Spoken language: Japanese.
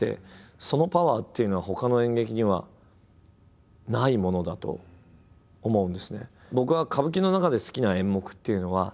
そのパワーっていうのはほかの演劇にはないものだと思うんですね。